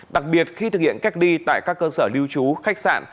đặc biệt khi thực hiện cách ly tại các cơ sở lưu trú khách sạn